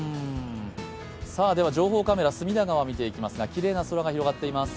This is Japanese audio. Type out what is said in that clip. では情報カメラ、隅田川見ていきますがきれいな空が広がっています。